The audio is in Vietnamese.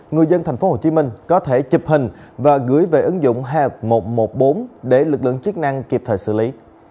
người dân tp hcm có thể chụp hình và gửi về ứng dụng một trăm một mươi bốn để lực lượng chức năng kịp thời xử lý